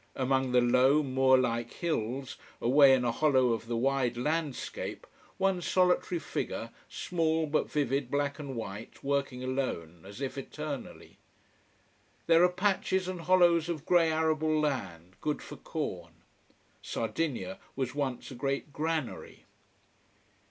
Among the low, moor like hills, away in a hollow of the wide landscape one solitary figure, small but vivid black and white, working alone, as if eternally. There are patches and hollows of grey arable land, good for corn. Sardinia was once a great granary.